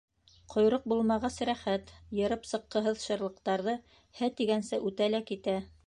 Ҡойроҡ булмағас рәхәт, йырып сыҡҡыһыҙ шырлыҡтарҙы һә тигәнсе үтә лә китә.